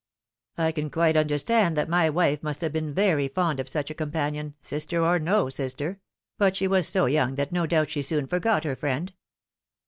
" I can quite understand that my wife must have been very fond of such a companion sister or no sister but she was so young that no doubt she soon forgot her friend.